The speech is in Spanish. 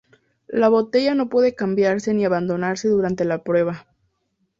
La botella no puede cambiarse ni abandonarse durante la prueba.